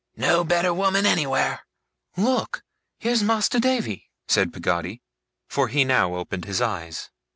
'No better woman anywhere!' 'Look! Here's Master Davy!' said Peggotty. For he now opened his eyes.